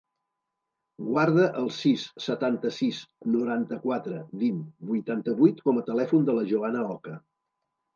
Guarda el sis, setanta-sis, noranta-quatre, vint, vuitanta-vuit com a telèfon de la Joana Oca.